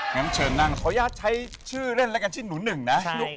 งั้นเชิญนั่งขออนุญาตใช้ชื่อเล่นแล้วกันชื่อหนูหนึ่งนะ